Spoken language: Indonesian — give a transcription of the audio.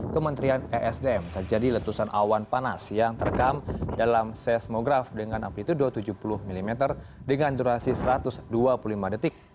kementerian esdm terjadi letusan awan panas yang terekam dalam seismograf dengan amplitude tujuh puluh mm dengan durasi satu ratus dua puluh lima detik